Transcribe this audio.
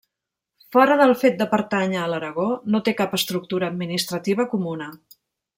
Fora del fet de pertànyer a l'Aragó, no té cap estructura administrativa comuna.